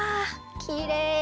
きれい！